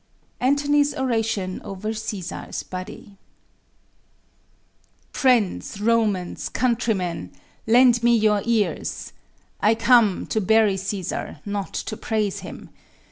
ANTONY'S ORATION OVER CÆSAR'S BODY Friends, Romans, countrymen! Lend me your ears; I come to bury Cæsar, not to praise him.